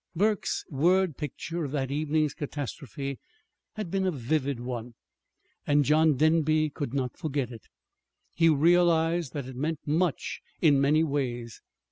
Burke's word picture of that evening's catastrophe had been a vivid one; and John Denby could not forget it. He realized that it meant much in many ways.